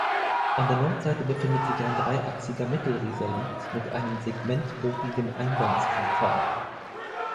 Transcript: An der Nordseite befindet sich ein dreiachsiger Mittelrisalit mit einem segmentbogigen Eingangsportal.